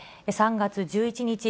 ３月１１日